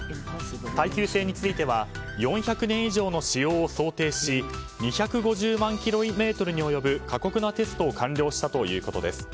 耐久性については４００年以上の使用を想定し、２５０万ｋｍに及ぶ過酷なテストを完了したということです。